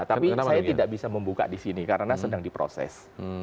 tapi saya tidak bisa membuka di sini karena sedang diproses